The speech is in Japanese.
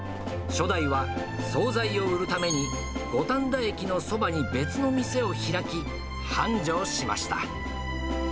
初代は総菜を売るために、五反田駅のそばに別の店を開き、繁盛しました。